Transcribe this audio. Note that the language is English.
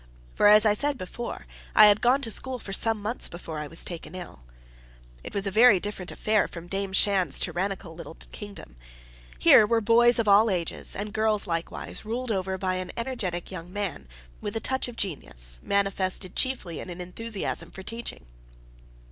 For as I said before, I had gone to school for some months before I was taken ill. It was a very different affair from Dame Shand's tyrannical little kingdom. Here were boys of all ages, and girls likewise, ruled over by an energetic young man, with a touch of genius, manifested chiefly in an enthusiasm for teaching.